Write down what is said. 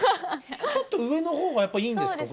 ちょっと上の方がやっぱいいんですか？